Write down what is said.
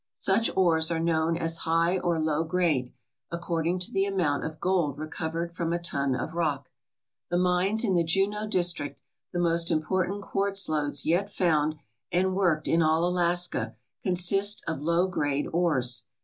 Such ores are known as high or low grade, according to the amount of gold recovered from a ton of rock. The mines in the Juneau district, the most important quartz lodes yet found and worked in all Alaska, consist of low grade ores.